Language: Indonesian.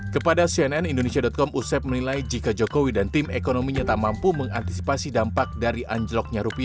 kepada cnnindonesia com ustaz menilai jika jokowi dan tim ekonominya tak mampu mengantisipasi dampak dari anjloknya rupiah